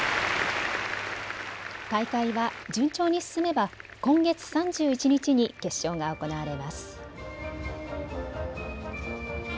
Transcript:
大会は順調に進めば今月３１日に決勝が行われます。